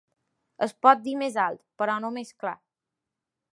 Es pot dir més alt, però no més clar.